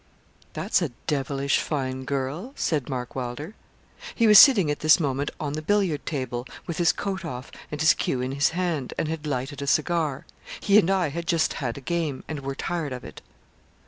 'That's a devilish fine girl,' said Mark Wylder. He was sitting at this moment on the billiard table, with his coat off and his cue in his hand, and had lighted a cigar. He and I had just had a game, and were tired of it.